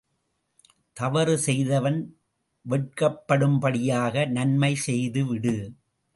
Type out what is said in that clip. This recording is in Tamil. தவறு செய்தவன் வெட்கப்படும்படியாக நன்மை செய்துவிடு!